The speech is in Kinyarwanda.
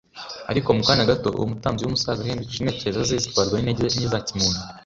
. Ariko mu kanya gato, uwo mutambyi w’umusaza yahindukije intekerezo ze zitwarwa n’intege nke za kimuntu